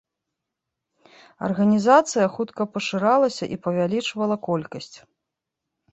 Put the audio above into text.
Арганізацыя хутка пашыралася і павялічвала колькасць.